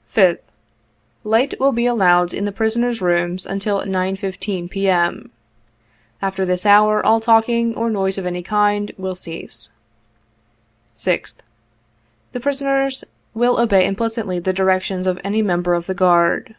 " 5th. — Light will be allowed in the prisoners' rooms until 9.15, P.M. After this hour, all talking, or noise of any kind, will cease. " 6th. — The prisoners will obey implicitly the directions of any member of the guard.